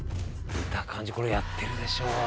見た感じこれやってるでしょう。